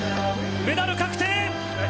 メダル確定！